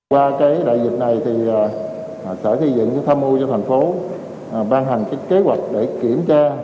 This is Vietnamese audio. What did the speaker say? qua cái đại dịch này thì sở xây dựng tp hcm ban hàng cái kế hoạch để kiểm tra